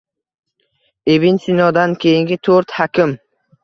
Ibn Sinodan keyingi to‘rt «hakim»...